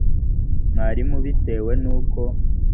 mwarimu bitewe n’uko